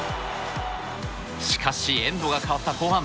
しかし、エンドが変わった後半。